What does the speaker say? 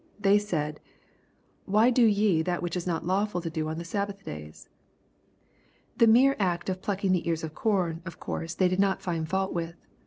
They said, " Why do ye that which is not lawful to do on the Sabbath days ?" The mere act of pluck ing the ears of corn of course they did not find fault with.